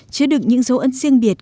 chứa được những dấu ân riêng biệt